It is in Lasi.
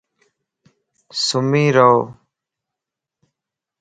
سمي رو